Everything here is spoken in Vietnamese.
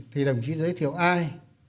thì đồng chí giới thiệu ai